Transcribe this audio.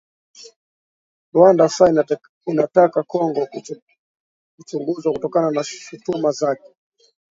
Rwanda sasa inataka Kongo kuchunguzwa kutokana na shutuma zake